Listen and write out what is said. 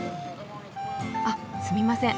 あっすみません。